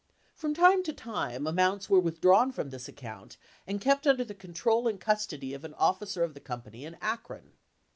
From time to time amounts were with drawn from this account and kept under the control and custody of an officer of the company in Akron.